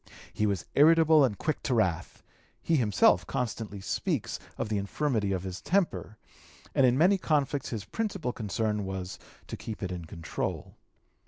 He was irritable and quick to wrath; he himself constantly speaks of the infirmity of his temper, and in his many conflicts his principal concern was to keep it in control.